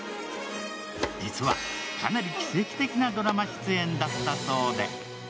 実は、かなり奇跡的なドラマ出演だったそうで。